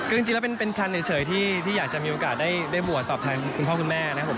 คือจริงแล้วเป็นคันเฉยที่อยากจะมีโอกาสได้บวชตอบแทนคุณพ่อคุณแม่นะครับผม